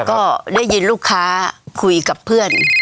ก็ได้ยินลูกค้าคุยกับเพื่อน